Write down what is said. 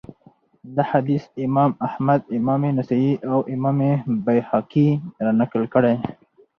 دا حديث امام احمد امام نسائي، او امام بيهقي را نقل کړی